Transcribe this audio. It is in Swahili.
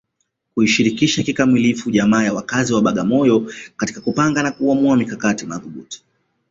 kuishirikisha kikamilifu jamii ya wakazi wa Bagamoyo katika kupanga na kuamua mikakati madhubuti